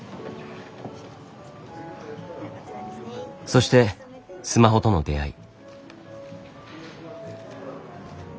そしてスマホとの出会い。